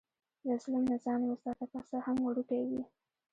له ظلم نه ځان وساته، که څه هم وړوکی وي.